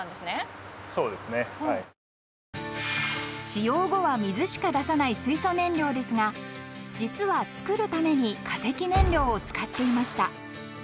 ［使用後は水しか出さない水素燃料ですが実は作るために化石燃料を使っていました］